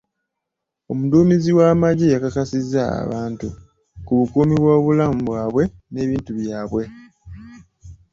Omuduumizi w'amagye yakakasizza abantu ku bukuumi bw'obulamu bwabwe n'ebintu byabwe.